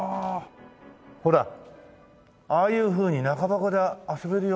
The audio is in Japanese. ほらああいうふうに中箱で遊べるような。